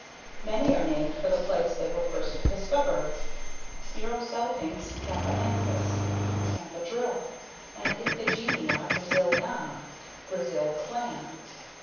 Many are named for the place they were first discovered: UROSALPINX TAMPAENSIS, Tampa Drill; and IPHIGENIA BRASILIANA, Brazil Clam.